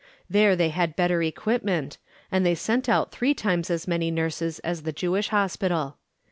There they had better equipment, and they sent out three times as many nurses as the Jewish Hospital.